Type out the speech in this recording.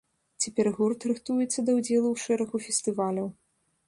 Цяпер гурт рыхтуецца да ўдзелу ў шэрагу фестываляў.